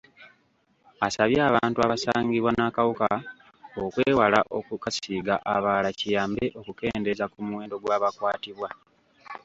Asabye abantu abasangibwa n'akawuka okwewala okukasiiga abalala kiyambe okukendeeza ku muwendo gw'abakwatibwa.